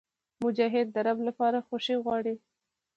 مجاهد د رب لپاره خوښي غواړي.